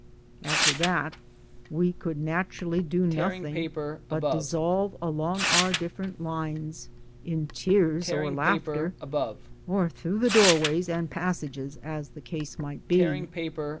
1 After that we could naturally do nothing but dissolve along our different lines in tears, or laughter, or through the doorways and passages, as the case might be.